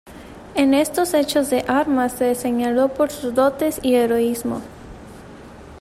En estos hechos de armas se señaló por sus dotes y heroísmo.